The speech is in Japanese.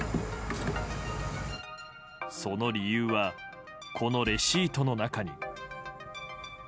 その理由は、このレシートの中に。